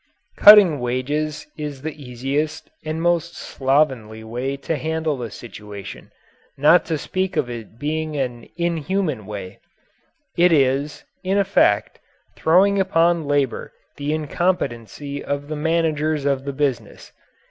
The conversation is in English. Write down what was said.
Cutting wages is the easiest and most slovenly way to handle the situation, not to speak of its being an inhuman way. It is, in effect, throwing upon labour the incompetency of the managers of the business.